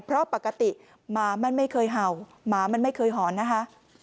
เพราะปกติหมามันไม่เคยเห่าหมามันไม่เคยหอนนะคะ